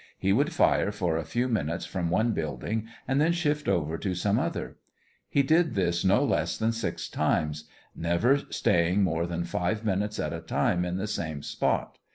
He would fire for a few minutes from one building and then shift over to some other. He did this no less than six times, never staying more than five minutes at a time in the same spot.